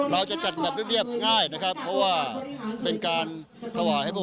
เราจัดแบบลิบง่ายเพราะว่า